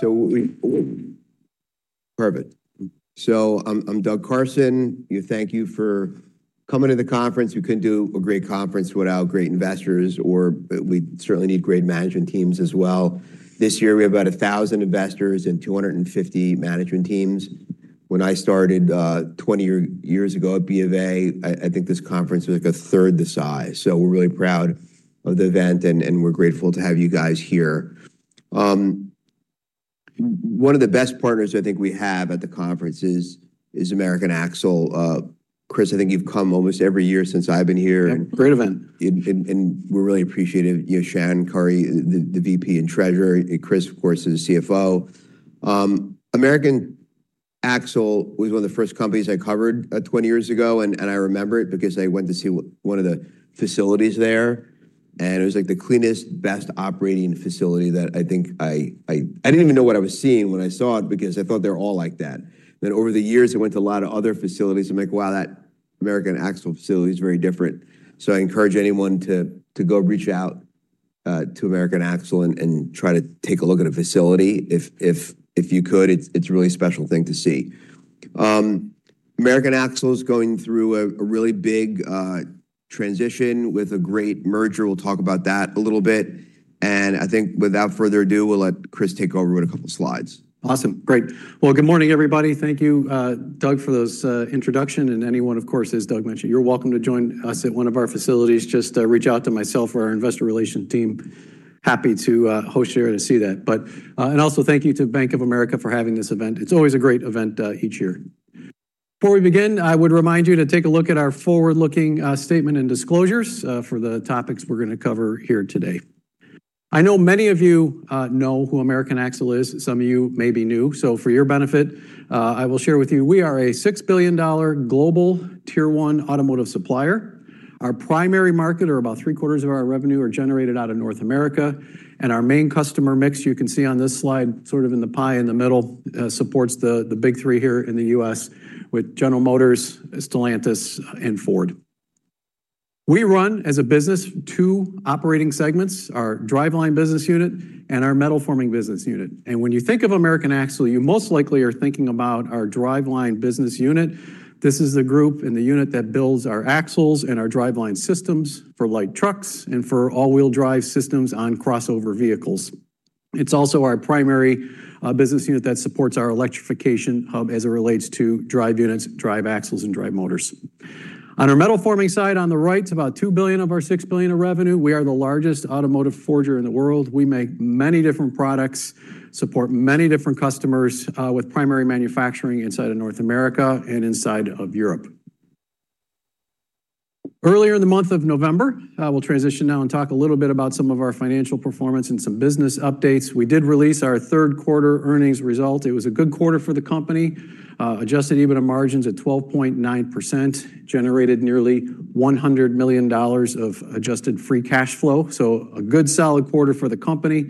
Perfect. I'm Doug Karson. Thank you for coming to the conference. We couldn't do a great conference without great investors, or we certainly need great management teams as well. This year, we have about 1,000 investors and 250 management teams. When I started 20 years ago at BofA, I think this conference was like a third the size. We're really proud of the event, and we're grateful to have you guys here. One of the best partners I think we have at the conference is American Axle. Chris, I think you've come almost every year since I've been here. Great event. We're really appreciative. Shannon Curry, the VP and Treasurer. Chris, of course, is the CFO. American Axle was one of the first companies I covered 20 years ago, and I remember it because I went to see one of the facilities there. It was like the cleanest, best operating facility that I think I didn't even know what I was seeing when I saw it because I thought they're all like that. Over the years, I went to a lot of other facilities. I'm like, wow, that American Axle facility is very different. I encourage anyone to go reach out to American Axle and try to take a look at a facility if you could. It's a really special thing to see. American Axle is going through a really big transition with a great merger. We'll talk about that a little bit. I think without further ado, we'll let Chris take over with a couple of slides. Awesome. Great. Good morning, everybody. Thank you, Doug, for those introductions. Anyone, of course, as Doug mentioned, you're welcome to join us at one of our facilities. Just reach out to myself or our investor relations team. Happy to host you here and see that. Also, thank you to Bank of America for having this event. It's always a great event each year. Before we begin, I would remind you to take a look at our forward-looking statement and disclosures for the topics we're going to cover here today. I know many of you know who American Axle is. Some of you may be new. For your benefit, I will share with you, we are a $6 billion global tier 1 automotive supplier. Our primary market, or about three quarters of our revenue, is generated out of North America. Our main customer mix, you can see on this slide, sort of in the pie in the middle, supports the Big Three here in the U.S., with General Motors, Stellantis, and Ford. We run, as a business, two operating segments: our driveline business unit and our metal forming business unit. When you think of American Axle, you most likely are thinking about our driveline business unit. This is the group and the unit that builds our axles and our driveline systems for light trucks and for all-wheel drive systems on crossover vehicles. It is also our primary business unit that supports our electrification hub as it relates to drive units, drive axles, and drive motors. On our metal forming side, on the right, about $2 billion of our $6 billion of revenue. We are the largest automotive forger in the world. We make many different products, support many different customers with primary manufacturing inside of North America and inside of Europe. Earlier in the month of November, we'll transition now and talk a little bit about some of our financial performance and some business updates. We did release our third quarter earnings result. It was a good quarter for the company, Adjusted EBITDA margins at 12.9%, generated nearly $100 million of adjusted free cash flow. A good solid quarter for the company.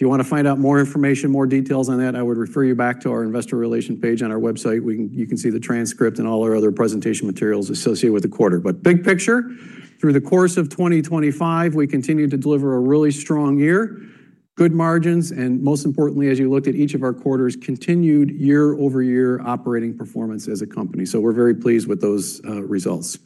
If you want to find out more information, more details on that, I would refer you back to our investor relations page on our website. You can see the transcript and all our other presentation materials associated with the quarter. Big picture, through the course of 2025, we continue to deliver a really strong year, good margins, and most importantly, as you looked at each of our quarters, continued year-over-year operating performance as a company. We are very pleased with those results.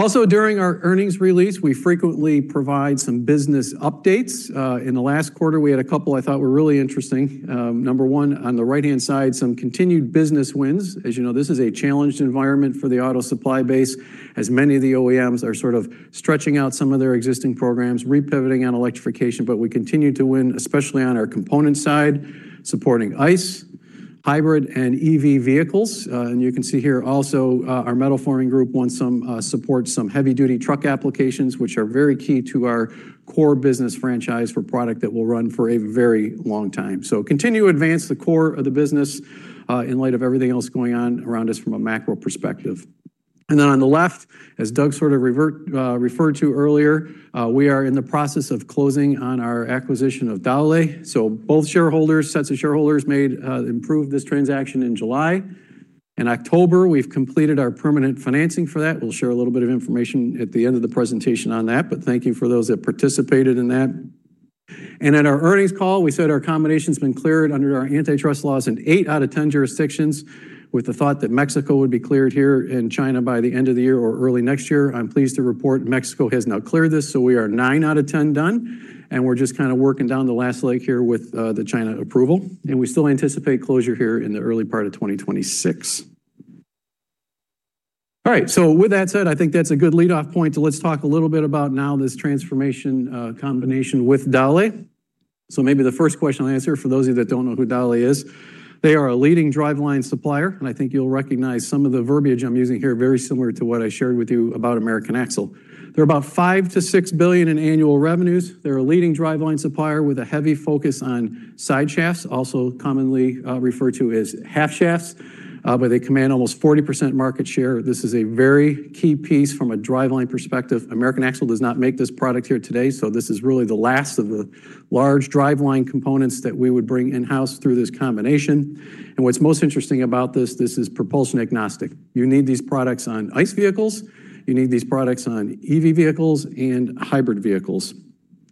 Also, during our earnings release, we frequently provide some business updates. In the last quarter, we had a couple I thought were really interesting. Number one, on the right-hand side, some continued business wins. As you know, this is a challenged environment for the auto supply base, as many of the OEMs are sort of stretching out some of their existing programs, repivoting on electrification. We continue to win, especially on our component side, supporting ICE, hybrid, and EV vehicles. You can see here also our metal forming group wants some support, some heavy-duty truck applications, which are very key to our core business franchise for product that will run for a very long time. Continue to advance the core of the business in light of everything else going on around us from a macro perspective. On the left, as Doug sort of referred to earlier, we are in the process of closing on our acquisition of Dowlais. Both sets of shareholders made improve this transaction in July. In October, we completed our permanent financing for that. We'll share a little bit of information at the end of the presentation on that. Thank you for those that participated in that. At our earnings call, we said our combination has been cleared under our antitrust laws in eight out of ten jurisdictions, with the thought that Mexico would be cleared here and China by the end of the year or early next year. I'm pleased to report Mexico has now cleared this. We are nine out of ten done. We're just kind of working down the last leg here with the China approval. We still anticipate closure here in the early part of 2026. All right. With that said, I think that's a good lead-off point. Let's talk a little bit about this transformation combination with Dowlais. Maybe the first question I'll answer for those of you that don't know who Dowlais is. They are a leading driveline supplier. I think you'll recognize some of the verbiage I'm using here, very similar to what I shared with you about American Axle. They're about $5 billion-$6 billion in annual revenues. They're a leading driveline supplier with a heavy focus on side shafts, also commonly referred to as half shafts, where they command almost 40% market share. This is a very key piece from a driveline perspective. American Axle does not make this product here today. This is really the last of the large driveline components that we would bring in-house through this combination. What's most interesting about this, this is propulsion agnostic. You need these products on ICE vehicles. You need these products on EV vehicles and hybrid vehicles.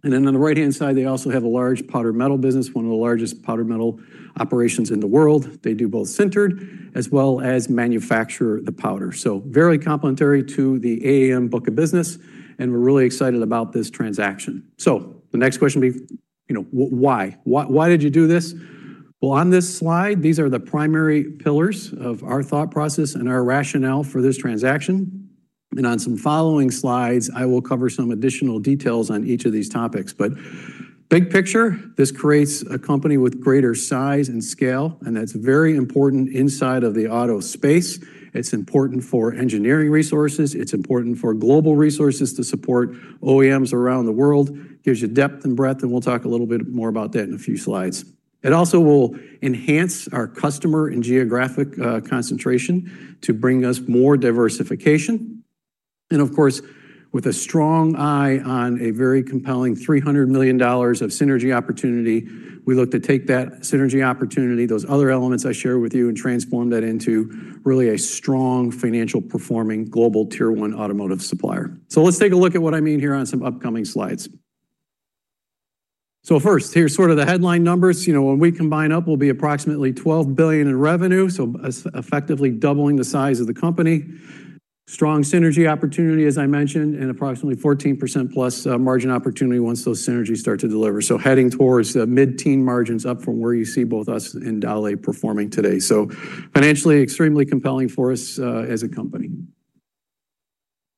On the right-hand side, they also have a large powder metal business, one of the largest powder metal operations in the world. They do both sintered as well as manufacture the powder. Very complementary to the AAM book of business. We're really excited about this transaction. The next question would be, why? Why did you do this? On this slide, these are the primary pillars of our thought process and our rationale for this transaction. On some following slides, I will cover some additional details on each of these topics. Big picture, this creates a company with greater size and scale. That is very important inside of the auto space. It's important for engineering resources. It's important for global resources to support OEMs around the world. It gives you depth and breadth. We'll talk a little bit more about that in a few slides. It also will enhance our customer and geographic concentration to bring us more diversification. Of course, with a strong eye on a very compelling $300 million of synergy opportunity, we look to take that synergy opportunity, those other elements I shared with you, and transform that into really a strong financial performing global tier one automotive supplier. Let's take a look at what I mean here on some upcoming slides. First, here's sort of the headline numbers. When we combine up, we'll be approximately $12 billion in revenue, so effectively doubling the size of the company. Strong synergy opportunity, as I mentioned, and approximately 14% plus margin opportunity once those synergies start to deliver. Heading towards mid-teen margins up from where you see both us in Dowlais performing today. Financially, extremely compelling for us as a company.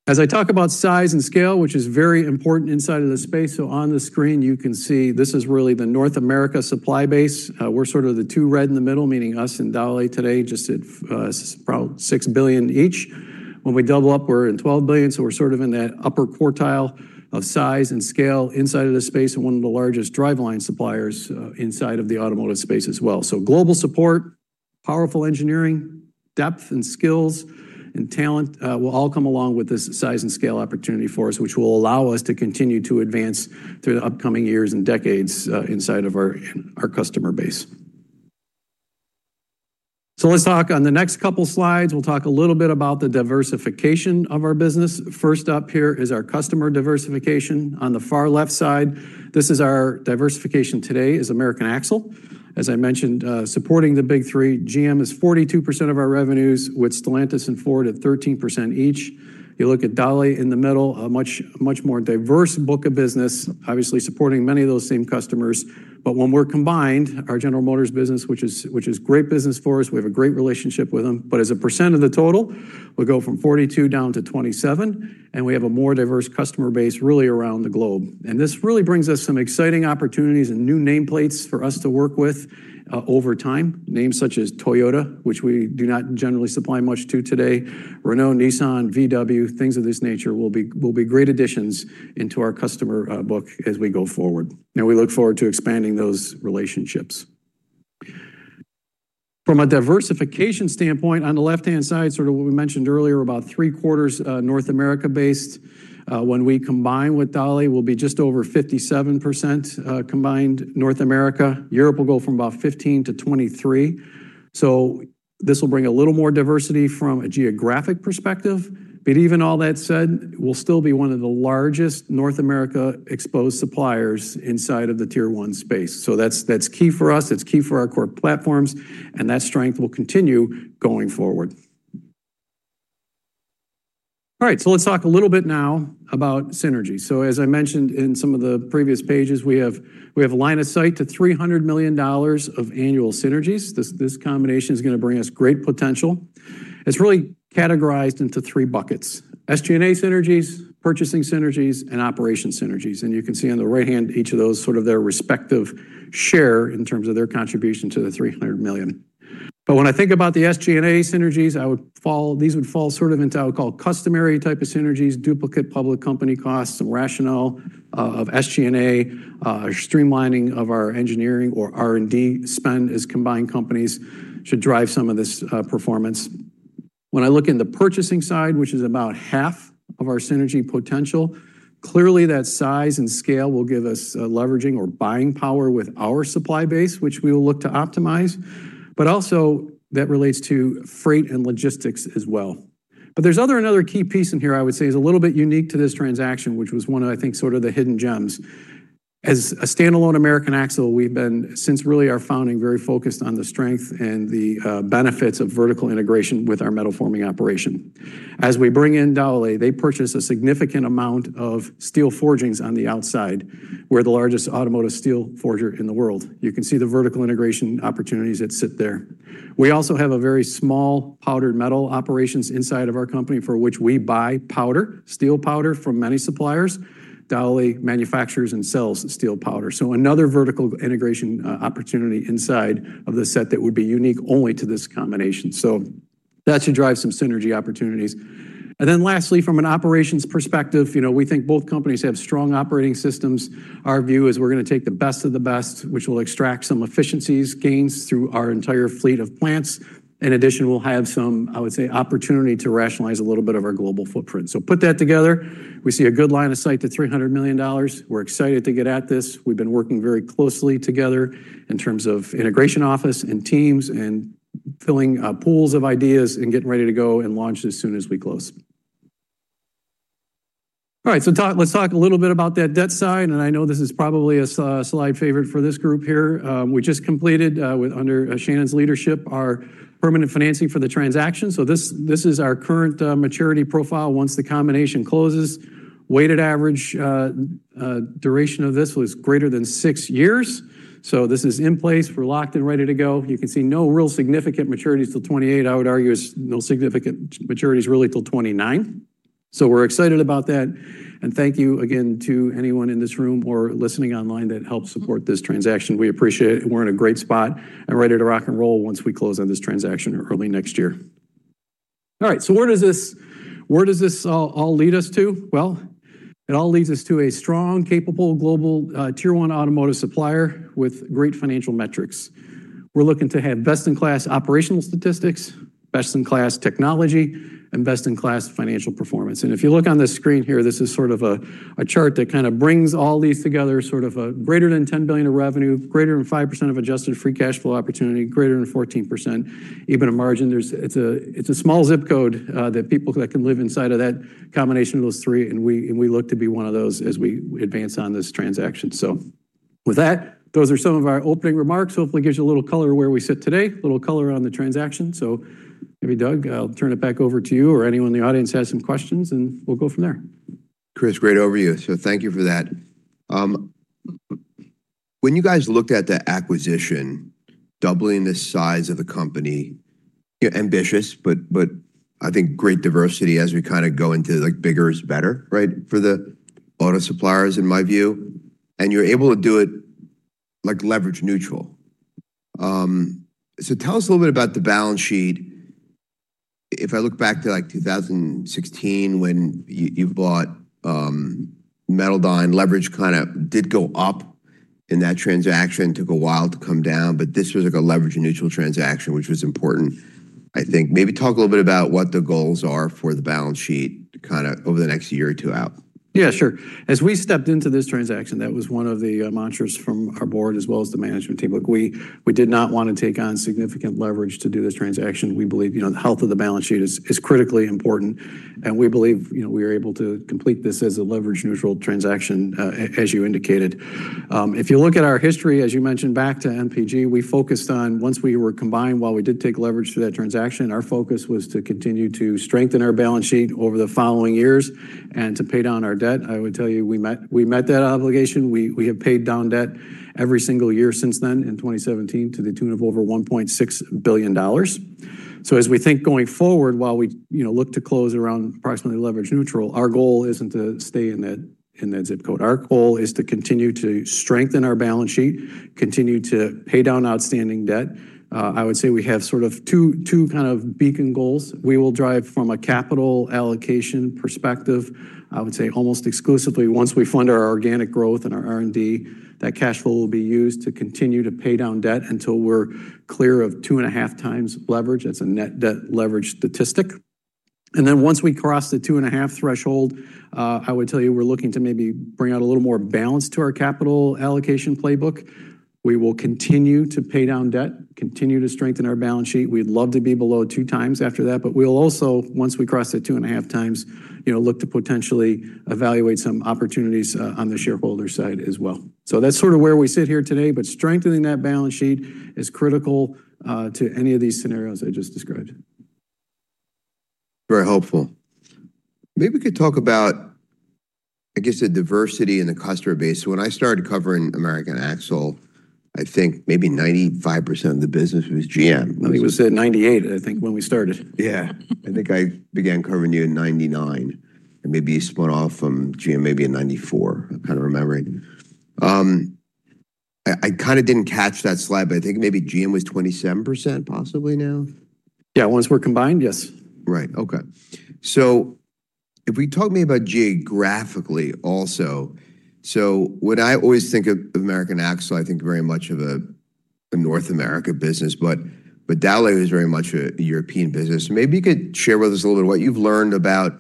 As I talk about size and scale, which is very important inside of the space, on the screen, you can see this is really the North America supply base. We're sort of the two red in the middle, meaning us and Dowlais today, just at about $6 billion each. When we double up, we're in $12 billion. We're sort of in that upper quartile of size and scale inside of the space and one of the largest driveline suppliers inside of the automotive space as well. Global support, powerful engineering, depth and skills, and talent will all come along with this size and scale opportunity for us, which will allow us to continue to advance through the upcoming years and decades inside of our customer base. Let's talk on the next couple of slides. We'll talk a little bit about the diversification of our business. First up here is our customer diversification. On the far left side, this is our diversification today as American Axle. As I mentioned, supporting the Big Three. GM is 42% of our revenues, with Stellantis and Ford at 13% each. You look at Dowlais in the middle, a much more diverse book of business, obviously supporting many of those same customers. When we're combined, our General Motors business, which is great business for us, we have a great relationship with them. As a percent of the total, we go from 42% down to 27%. We have a more diverse customer base really around the globe. This really brings us some exciting opportunities and new nameplates for us to work with over time, names such as Toyota, which we do not generally supply much to today, Renault, Nissan, VW, things of this nature will be great additions into our customer book as we go forward. We look forward to expanding those relationships. From a diversification standpoint, on the left-hand side, sort of what we mentioned earlier, about three quarters North America based. When we combine with Dowlais, we'll be just over 57% combined North America. Europe will go from about 15% to 23%. This will bring a little more diversity from a geographic perspective. Even all that said, we'll still be one of the largest North America exposed suppliers inside of the tier one space. That is key for us. It is key for our core platforms. That strength will continue going forward. All right. Let's talk a little bit now about synergy. As I mentioned in some of the previous pages, we have a line of sight to $300 million of annual synergies. This combination is going to bring us great potential. It is really categorized into three buckets: SG&A synergies, purchasing synergies, and operation synergies. You can see on the right-hand each of those, sort of their respective share in terms of their contribution to the $300 million. When I think about the SG&A synergies, these would fall sort of into, I would call, customary type of synergies, duplicate public company costs, and rationale of SG&A, streamlining of our engineering or R&D spend as combined companies should drive some of this performance. When I look in the purchasing side, which is about half of our synergy potential, clearly that size and scale will give us leveraging or buying power with our supply base, which we will look to optimize. That also relates to freight and logistics as well. There is another key piece in here, I would say, is a little bit unique to this transaction, which was one of, I think, sort of the hidden gems. As a standalone American Axle, we've been since really our founding very focused on the strength and the benefits of vertical integration with our metal forming operation. As we bring in Dowlais, they purchase a significant amount of steel forgings on the outside, where the largest automotive steel forger in the world. You can see the vertical integration opportunities that sit there. We also have a very small powder metal operations inside of our company for which we buy powder, steel powder from many suppliers. Dowlais manufactures and sells steel powder. Another vertical integration opportunity inside of the set that would be unique only to this combination. That should drive some synergy opportunities. Lastly, from an operations perspective, we think both companies have strong operating systems. Our view is we are going to take the best of the best, which will extract some efficiencies, gains through our entire fleet of plants. In addition, we will have some, I would say, opportunity to rationalize a little bit of our global footprint. Put that together, we see a good line of sight to $300 million. We are excited to get at this. We've been working very closely together in terms of integration office and teams and filling pools of ideas and getting ready to go and launch as soon as we close. All right. Let's talk a little bit about that debt side. I know this is probably a slide favorite for this group here. We just completed under Shannon's leadership our permanent financing for the transaction. This is our current maturity profile. Once the combination closes, weighted average duration of this was greater than six years. This is in place. We're locked and ready to go. You can see no real significant maturities till 2028. I would argue there's no significant maturities really till 2029. We're excited about that. Thank you again to anyone in this room or listening online that helped support this transaction. We appreciate it. We're in a great spot and ready to rock and roll once we close on this transaction early next year. All right. Where does this all lead us to? It all leads us to a strong, capable global Tier 1 automotive supplier with great financial metrics. We're looking to have best-in-class operational statistics, best-in-class technology, and best-in-class financial performance. If you look on the screen here, this is sort of a chart that kind of brings all these together, sort of a greater than $10 billion of revenue, greater than 5% of adjusted free cash flow opportunity, greater than 14% EBITDA margin. It's a small zip code that people can live inside of that combination of those three. We look to be one of those as we advance on this transaction. With that, those are some of our opening remarks. Hopefully gives you a little color where we sit today, a little color on the transaction. Maybe Doug, I'll turn it back over to you or anyone in the audience has some questions, and we'll go from there. Chris, great overview. Thank you for that. When you guys looked at the acquisition, doubling the size of the company, ambitious, but I think great diversity as we kind of go into bigger is better, right, for the auto suppliers in my view. You're able to do it leverage neutral. Tell us a little bit about the balance sheet. If I look back to 2016 when you bought Metaldine, leverage kind of did go up in that transaction. It took a while to come down. This was a leverage neutral transaction, which was important, I think. Maybe talk a little bit about what the goals are for the balance sheet kind of over the next year or two out. Yeah, sure. As we stepped into this transaction, that was one of the mantras from our board as well as the management team. We did not want to take on significant leverage to do this transaction. We believe the health of the balance sheet is critically important. We believe we are able to complete this as a leverage neutral transaction, as you indicated. If you look at our history, as you mentioned, back to MPG, we focused on once we were combined, while we did take leverage through that transaction, our focus was to continue to strengthen our balance sheet over the following years and to pay down our debt. I would tell you we met that obligation. We have paid down debt every single year since then in 2017 to the tune of over $1.6 billion. As we think going forward, while we look to close around approximately leverage neutral, our goal is not to stay in that zip code. Our goal is to continue to strengthen our balance sheet, continue to pay down outstanding debt. I would say we have sort of two kind of beacon goals. We will drive from a capital allocation perspective, I would say almost exclusively once we fund our organic growth and our R&D, that cash flow will be used to continue to pay down debt until we are clear of two and a half times leverage. That is a net debt leverage statistic. Once we cross the two and a half threshold, I would tell you we're looking to maybe bring out a little more balance to our capital allocation playbook. We will continue to pay down debt, continue to strengthen our balance sheet. We'd love to be below two times after that. We'll also, once we cross the two and a half times, look to potentially evaluate some opportunities on the shareholder side as well. That's sort of where we sit here today. Strengthening that balance sheet is critical to any of these scenarios I just described. Very helpful. Maybe we could talk about, I guess, the diversity in the customer base. When I started covering American Axle, I think maybe 95% of the business was GM. I think it was at 98%, I think, when we started. Yeah. I think I began covering you in 99%. And maybe you spun off from GM maybe in 94. I'm kind of remembering. I kind of didn't catch that slide, but I think maybe GM was 27% possibly now? Yeah. Once we're combined, yes. Right. Okay. If we talk maybe about geographically also. When I always think of American Axle, I think very much of a North America business. Dowlais is very much a European business. Maybe you could share with us a little bit of what you've learned about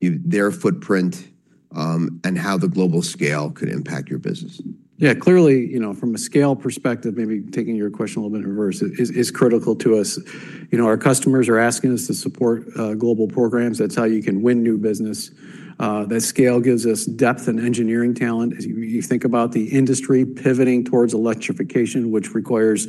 their footprint and how the global scale could impact your business. Yeah. Clearly, from a scale perspective, maybe taking your question a little bit in reverse, is critical to us. Our customers are asking us to support global programs. That's how you can win new business. That scale gives us depth and engineering talent. You think about the industry pivoting towards electrification, which requires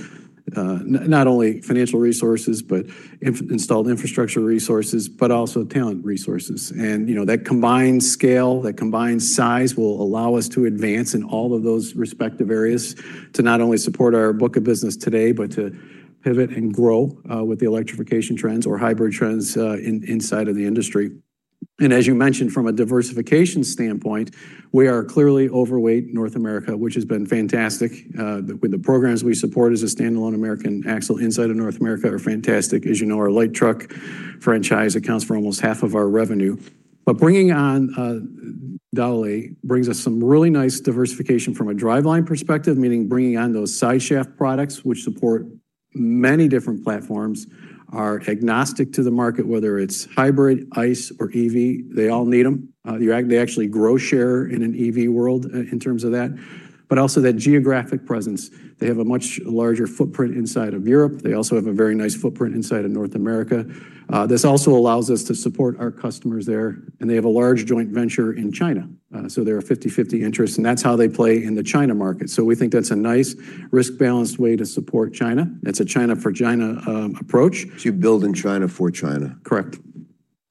not only financial resources, but installed infrastructure resources, but also talent resources. That combined scale, that combined size will allow us to advance in all of those respective areas to not only support our book of business today, but to pivot and grow with the electrification trends or hybrid trends inside of the industry. As you mentioned, from a diversification standpoint, we are clearly overweight North America, which has been fantastic. The programs we support as a standalone American Axle inside of North America are fantastic. As you know, our light truck franchise accounts for almost half of our revenue. Bringing on Dowlais brings us some really nice diversification from a driveline perspective, meaning bringing on those side-shaft products, which support many different platforms, are agnostic to the market, whether it's hybrid, ICE, or EV. They all need them. They actually grow share in an EV world in terms of that. Also, that geographic presence. They have a much larger footprint inside of Europe. They also have a very nice footprint inside of North America. This also allows us to support our customers there. They have a large joint venture in China. They are a 50-50 interest, and that is how they play in the China market. We think that is a nice risk-balanced way to support China. That is a China for China approach. You build in China for China. Correct.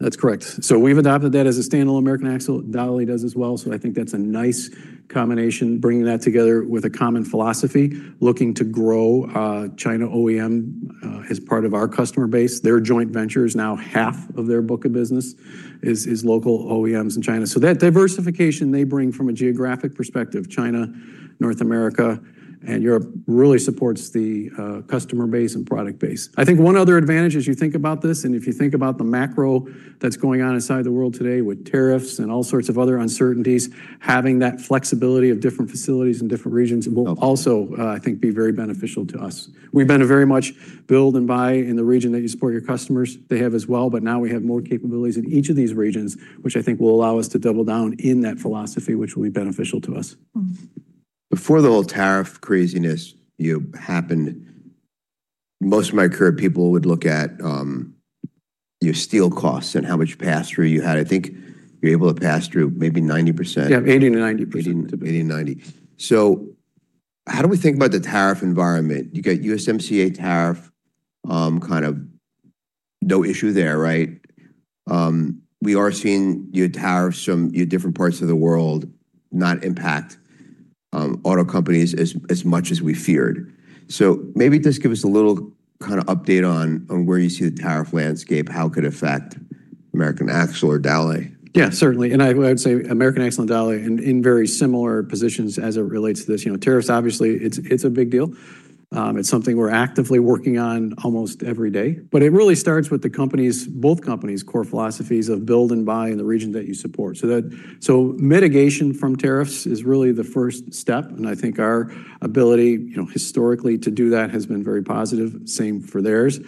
That is correct. We have adopted that as a standalone American Axle. Dowlais does as well. I think that is a nice combination, bringing that together with a common philosophy, looking to grow China OEM as part of our customer base. Their joint venture is now half of their book of business is local OEMs in China. That diversification they bring from a geographic perspective, China, North America, and Europe really supports the customer base and product base. I think one other advantage as you think about this, and if you think about the macro that's going on inside the world today with tariffs and all sorts of other uncertainties, having that flexibility of different facilities in different regions will also, I think, be very beneficial to us. We've been very much build and buy in the region that you support your customers. They have as well. Now we have more capabilities in each of these regions, which I think will allow us to double down in that philosophy, which will be beneficial to us. Before the whole tariff craziness happened, most of my career people would look at your steel costs and how much pass-through you had. I think you're able to pass through maybe 90%. Yeah, 80-90%. 80-90. How do we think about the tariff environment? You got USMCA tariff, kind of no issue there, right? We are seeing tariffs from different parts of the world not impact auto companies as much as we feared. Maybe just give us a little kind of update on where you see the tariff landscape, how it could affect American Axle or Dowlais. Yeah, certainly. I would say American Axle and Dowlais in very similar positions as it relates to this. Tariffs, obviously, it's a big deal. It's something we're actively working on almost every day. It really starts with the companies, both companies' core philosophies of build and buy in the region that you support. Mitigation from tariffs is really the first step. I think our ability historically to do that has been very positive, same for theirs.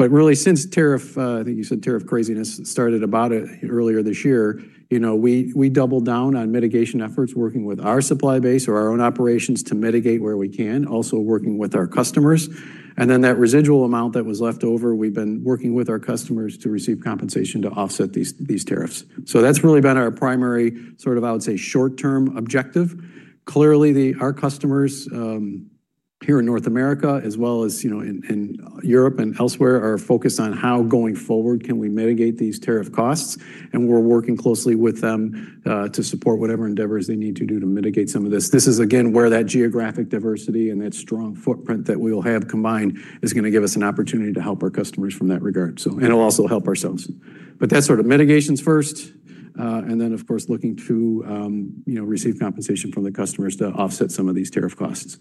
Really, since tariff, I think you said tariff craziness started about earlier this year, we doubled down on mitigation efforts, working with our supply base or our own operations to mitigate where we can, also working with our customers. That residual amount that was left over, we've been working with our customers to receive compensation to offset these tariffs. That's really been our primary sort of, I would say, short-term objective. Clearly, our customers here in North America, as well as in Europe and elsewhere, are focused on how going forward can we mitigate these tariff costs. We are working closely with them to support whatever endeavors they need to do to mitigate some of this. This is, again, where that geographic diversity and that strong footprint that we will have combined is going to give us an opportunity to help our customers from that regard. It will also help ourselves. That is mitigations first. Of course, looking to receive compensation from the customers to offset some of these tariff costs.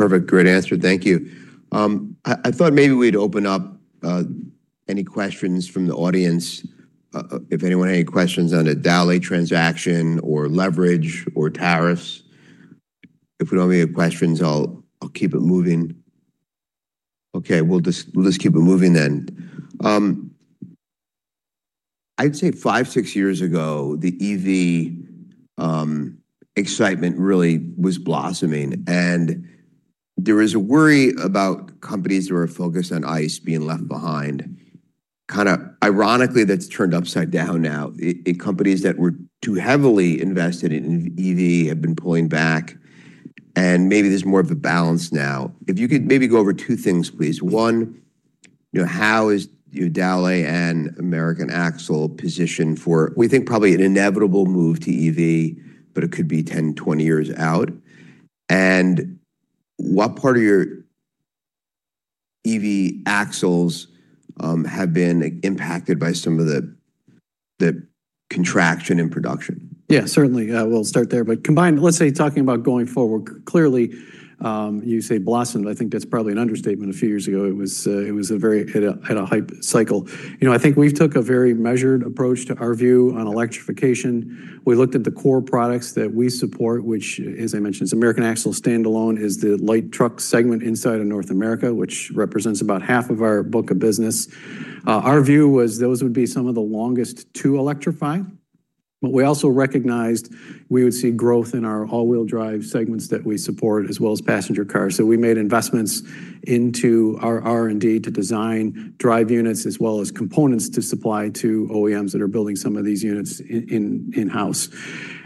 Perfect. Great answer. Thank you. I thought maybe we would open up any questions from the audience. If anyone had any questions on a Dowlais transaction or leverage or tariffs, if we do not have any questions, I will keep it moving. Okay. We will just keep it moving then. I would say five, six years ago, the EV excitement really was blossoming. There is a worry about companies that are focused on ICE being left behind. Kind of ironically, that's turned upside down now. Companies that were too heavily invested in EV have been pulling back. Maybe there's more of a balance now. If you could maybe go over two things, please. One, how is Dowlais and American Axle positioned for, we think, probably an inevitable move to EV, but it could be 10, 20 years out. What part of your EV axles have been impacted by some of the contraction in production? Yeah, certainly. We'll start there. Combined, let's say talking about going forward, clearly, you say blossomed. I think that's probably an understatement. A few years ago, it was a very high cycle. I think we took a very measured approach to our view on electrification. We looked at the core products that we support, which, as I mentioned, American Axle standalone is the light truck segment inside of North America, which represents about half of our book of business. Our view was those would be some of the longest to electrify. We also recognized we would see growth in our all-wheel drive segments that we support, as well as passenger cars. We made investments into our R&D to design drive units, as well as components to supply to OEMs that are building some of these units in-house.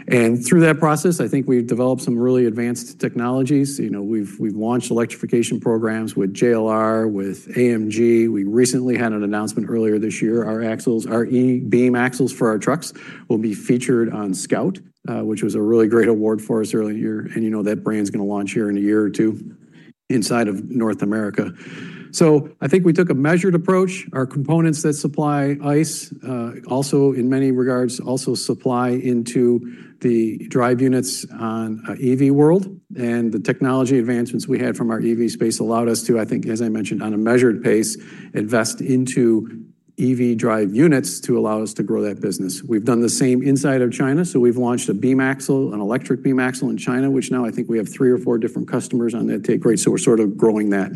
Through that process, I think we've developed some really advanced technologies. We've launched electrification programs with JLR, with AMG. We recently had an announcement earlier this year. Our beam axles for our trucks will be featured on Scout, which was a really great award for us earlier in the year. That brand's going to launch here in a year or two inside of North America. I think we took a measured approach. Our components that supply ICE, also in many regards, also supply into the drive units on EV world. The technology advancements we had from our EV space allowed us to, I think, as I mentioned, on a measured pace, invest into EV drive units to allow us to grow that business. We've done the same inside of China. We've launched a beam axle, an electric beam axle in China, which now I think we have three or four different customers on that take rate. We're sort of growing that.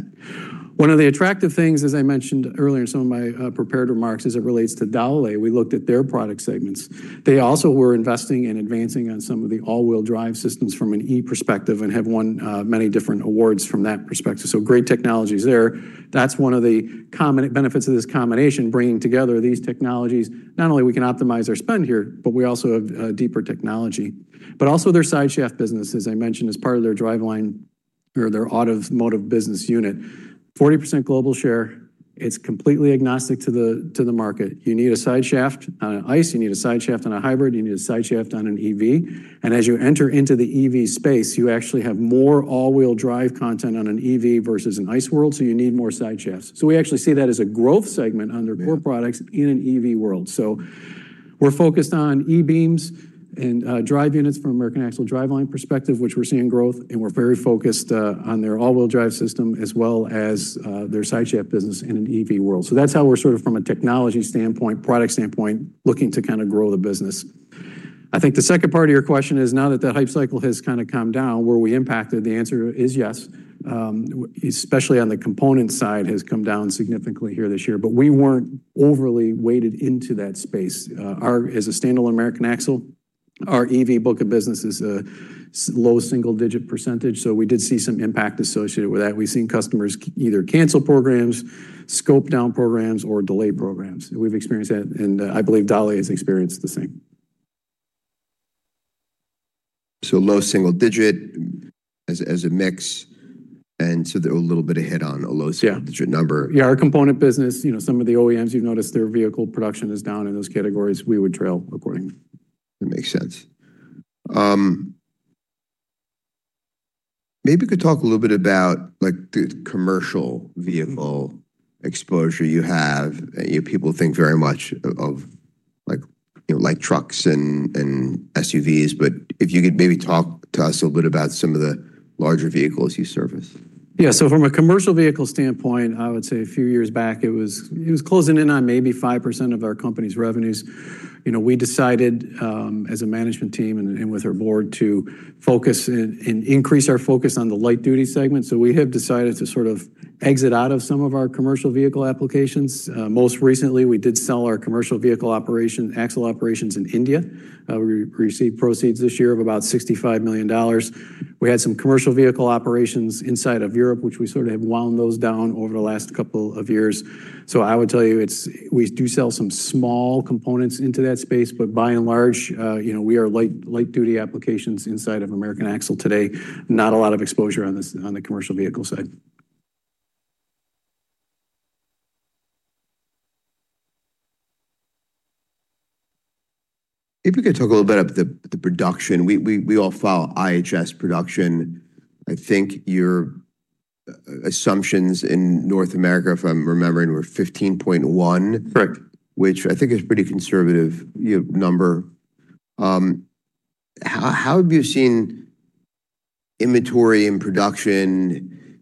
One of the attractive things, as I mentioned earlier in some of my prepared remarks, as it relates to Dowlais, we looked at their product segments. They also were investing and advancing on some of the all-wheel-drive systems from an E perspective and have won many different awards from that perspective. Great technologies there. That's one of the benefits of this combination, bringing together these technologies. Not only can we optimize our spend here, but we also have deeper technology. Their side-shaft business, as I mentioned, is part of their driveline or their automotive business unit. 40% global share. It's completely agnostic to the market. You need a side-shaft on an ICE. You need a side-shaft on a hybrid. You need a side-shaft on an EV. As you enter into the EV space, you actually have more all-wheel-drive content on an EV versus an ICE world. You need more side-shafts. We actually see that as a growth segment on their core products in an EV world. We're focused on e-beams and drive units from American Axle driveline perspective, which we're seeing growth. We're very focused on their all-wheel drive system as well as their side-shaft business in an EV world. That's how we're sort of, from a technology standpoint, product standpoint, looking to kind of grow the business. I think the second part of your question is, now that that hype cycle has kind of come down, were we impacted? The answer is yes, especially on the component side has come down significantly here this year. We weren't overly weighted into that space. As a standalone American Axle, our EV book of business is a low single-digit %. We did see some impact associated with that. We've seen customers either cancel programs, scope down programs, or delay programs. We've experienced that. I believe Dowlais has experienced the same. Low single-digit as a mix. They're a little bit ahead on a low single-digit number. Yeah. Our component business, some of the OEMs, you've noticed their vehicle production is down in those categories. We would trail accordingly. That makes sense. Maybe we could talk a little bit about the commercial vehicle exposure you have. People think very much of light trucks and SUVs. If you could maybe talk to us a little bit about some of the larger vehicles you service. Yeah. From a commercial vehicle standpoint, I would say a few years back, it was closing in on maybe 5% of our company's revenues. We decided, as a management team and with our board, to focus and increase our focus on the light-duty segment. We have decided to sort of exit out of some of our commercial vehicle applications. Most recently, we did sell our commercial vehicle operation, axle operations in India. We received proceeds this year of about $65 million. We had some commercial vehicle operations inside of Europe, which we sort of have wound those down over the last couple of years. I would tell you, we do sell some small components into that space. By and large, we are light-duty applications inside of American Axle today. Not a lot of exposure on the commercial vehicle side. If you could talk a little bit about the production. We all file IHS production. I think your assumptions in North America, if I'm remembering, were 15.1, which I think is a pretty conservative number. How have you seen inventory and production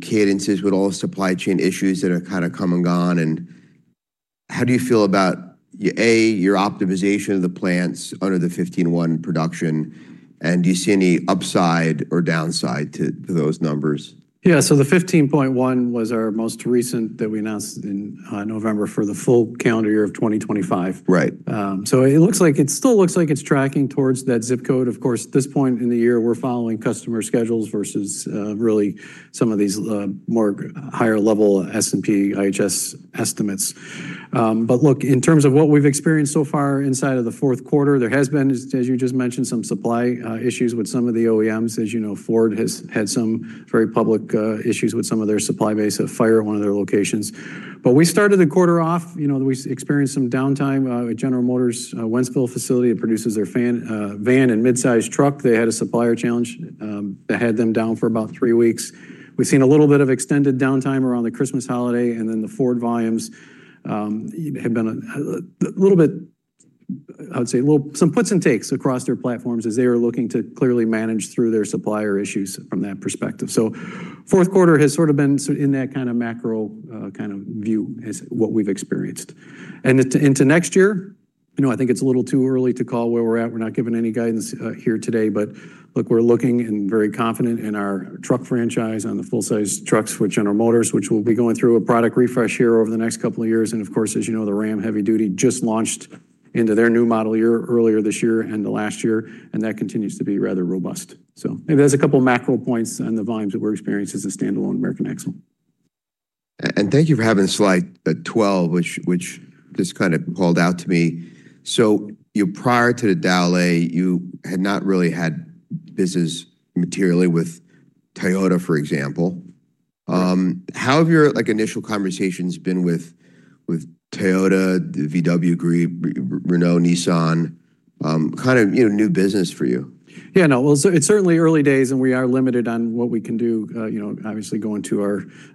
cadences with all supply chain issues that have kind of come and gone? How do you feel about, A, your optimization of the plants under the 15.1 production? Do you see any upside or downside to those numbers? Yeah. The 15.1 was our most recent that we announced in November for the full calendar year of 2025. It looks like it still looks like it's tracking towards that zip code. Of course, at this point in the year, we're following customer schedules versus really some of these more higher-level S&P IHS estimates. Look, in terms of what we've experienced so far inside of the fourth quarter, there has been, as you just mentioned, some supply issues with some of the OEMs. As you know, Ford has had some very public issues with some of their supply base at Fire, one of their locations. We started the quarter off. We experienced some downtime at General Motors' Wentzville facility. It produces their van and mid-sized truck. They had a supplier challenge that had them down for about three weeks. We've seen a little bit of extended downtime around the Christmas holiday. The Ford volumes have been a little bit, I would say, some puts and takes across their platforms as they were looking to clearly manage through their supplier issues from that perspective. Fourth quarter has sort of been in that kind of macro kind of view is what we've experienced. Into next year, I think it's a little too early to call where we're at. We're not giving any guidance here today. Look, we're looking and very confident in our truck franchise on the full-size trucks with General Motors, which will be going through a product refresh here over the next couple of years. Of course, as you know, the Ram Heavy Duty just launched into their new model year earlier this year and the last year. That continues to be rather robust. Maybe there are a couple of macro points on the volumes that we are experiencing as a standalone American Axle. Thank you for having slide 12, which just kind of called out to me. Prior to the Dowlais, you had not really had business materially with Toyota, for example. How have your initial conversations been with Toyota, the VW Group, Renault, Nissan? Kind of new business for you. Yeah. No, it is certainly early days, and we are limited on what we can do, obviously, going to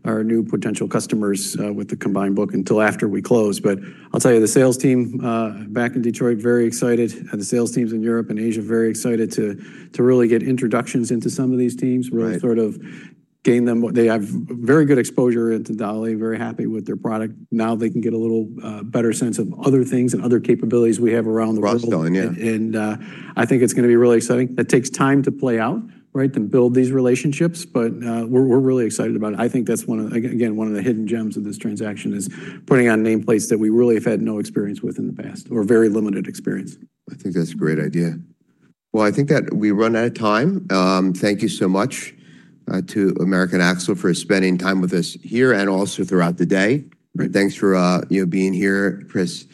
our new potential customers with the combined book until after we close. I will tell you, the sales team back in Detroit, very excited. The sales teams in Europe and Asia are very excited to really get introductions into some of these teams, really sort of gain them. They have very good exposure into Dowlais, very happy with their product. Now they can get a little better sense of other things and other capabilities we have around the world. I think it's going to be really exciting. That takes time to play out, right, to build these relationships. We're really excited about it. I think that's one, again, one of the hidden gems of this transaction is putting on nameplates that we really have had no experience with in the past or very limited experience. I think that's a great idea. I think that we run out of time. Thank you so much to American Axle for spending time with us here and also throughout the day. Thanks for being here, Chris.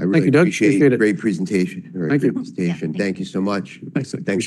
I really appreciate it. Thank you. Great presentation. Thank you. Thank you so much. Thanks.